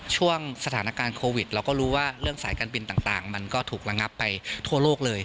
ช่วงสถานการณ์โควิดเราก็รู้ว่าเรื่องสายการบินต่างมันก็ถูกระงับไปทั่วโลกเลย